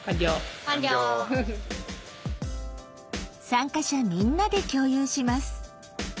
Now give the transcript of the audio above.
参加者みんなで共有します。